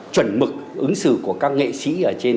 chuẩn mực ứng xử của các nghệ sĩ